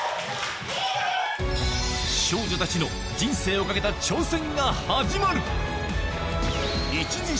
少女たちの人生をかけた挑戦が始まる！